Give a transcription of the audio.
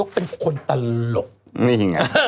แล้วยังไง